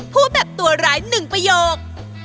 ผู้แบบตัวร้ายหนึ่งประโยค